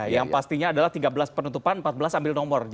yang pastinya adalah tiga belas penutupan empat belas ambil nomor